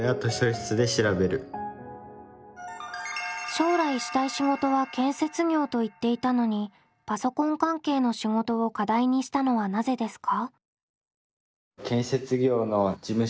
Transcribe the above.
将来したい仕事は建設業と言っていたのにパソコン関係の仕事を課題にしたのはなぜですか？